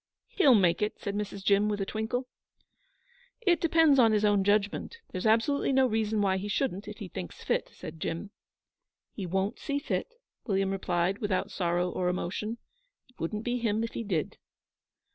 'He'll make it,' said Mrs. Jim, with a twinkle. 'It depends on his own judgment. There's absolutely no reason why he shouldn't, if he thinks fit,' said Jim. 'He won't see fit,' William replied, without sorrow or emotion. 'It wouldn't be him if he did.'